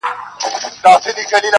بيا نو منم چي په اختـر كي جــادو.